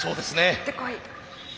いってこい。